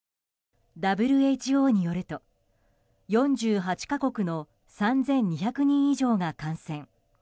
ＷＨＯによると４８か国の３２００人以上が感染。